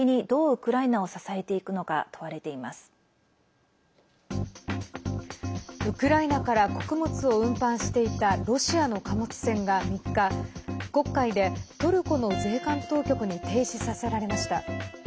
ウクライナから穀物を運搬していたロシアの貨物船が３日黒海でトルコの税関当局に停止させられました。